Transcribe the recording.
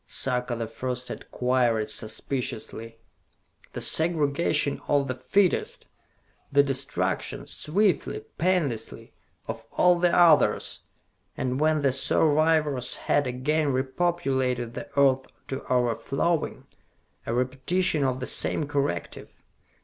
Sarka the First had queried suspiciously. "The segregation of the fittest! The destruction, swiftly, painlessly, of all the others! And when the survivors have again re populated the earth to overflowing a repetition of the same corrective!